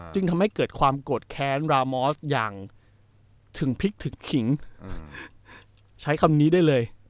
จึงทำให้เกิดความโกรธแค้นรามอสอย่างถึงพลิกถึงขิงใช้คำนี้ได้เลย